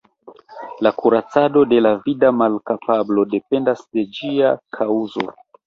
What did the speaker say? La kuracado de la vida malkapablo dependas de ĝia kaŭzo.